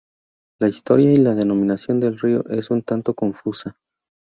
La historia y la denominación del río es un tanto confusa.